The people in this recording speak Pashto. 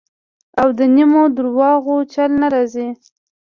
او د نیمو درواغو چل نه راځي.